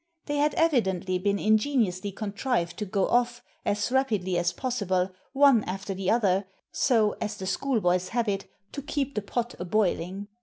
They had evidently been ingeniously contrived to go off, as rapidly as possible, one after the other, so, as the schoolboys have it, to " keep the pot a boiling."